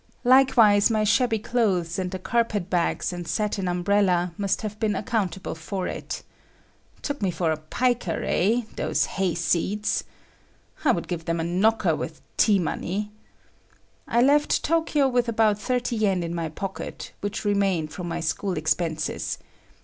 Likewise my shabby clothes and the carpet bags and satin umbrella must have been accountable for it. Took me for a piker, eh? those hayseeds! I would give them a knocker with "tea money." I left Tokyo with about 30 yen in my pocket, which remained from my school expenses.